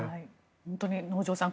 本当に能條さん